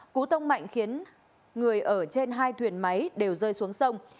cú tông mạnh khiến người ở trên hai thuyền máy đều rơi xuống sông